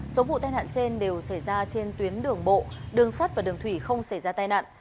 số vụ tai nạn trên đều xảy ra trên tuyến đường bộ đường sắt và đường thủy không xảy ra tai nạn